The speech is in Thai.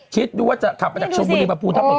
คิดด้วยจะขับของชนบุรีมาพูทัพเบิก